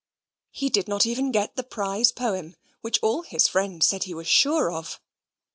He did not even get the prize poem, which all his friends said he was sure of.